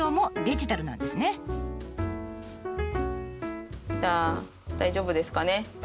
じゃあ大丈夫ですかね。